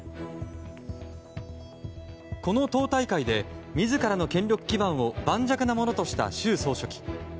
この党大会で自らの権力基盤を盤石なものとした習総書記。